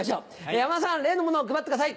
山田さん例のものを配ってください。